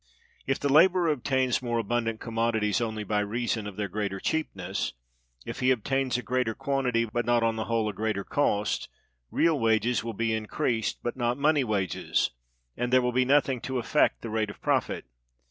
If the laborer obtains more abundant commodities only by reason of their greater cheapness, if he obtains a greater quantity, but not on the whole a greater cost, real wages will be increased, but not money wages, and there will be nothing to affect the rate of profit.